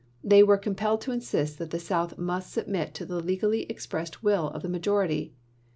They were com pelled to insist that the South must submit to the legally expressed will of the majority.